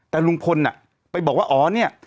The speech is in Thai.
แต่ลุงพลไปบอกว่าอ๋อเนี่ย